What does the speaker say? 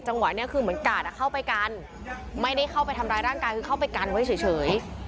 จังหวะนี้คือเหมือนกาดเข้าไปกันไม่ได้เข้าไปทำร้ายร่างกายคือเข้าไปกันไว้เฉย